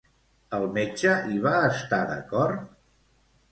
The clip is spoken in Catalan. El metge hi va estar d'acord?